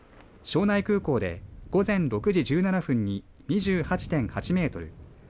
庄内空港で午前６時１７分に２８．８メートル